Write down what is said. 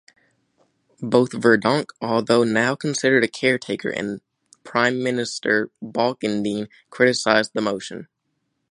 Both Verdonk, although now considered a 'caretaker', and Prime Minister Balkenende criticized the motion.